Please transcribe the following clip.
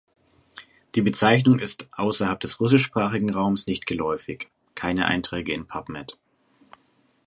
Die Bezeichnung ist (außerhalb des russischsprachigen Raumes) nicht geläufig (keine Einträge in Pubmed).